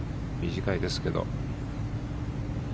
短いですけど。